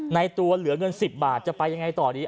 ตัวเหลือเงิน๑๐บาทจะไปยังไงต่อดี